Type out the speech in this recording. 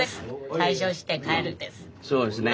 そうですね。